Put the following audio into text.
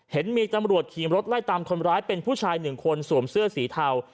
เห็นมีตำรวจขี่รถไล่ตามคนร้ายเป็นผู้ชายหนึ่งคนสวมเสื้อสีเทา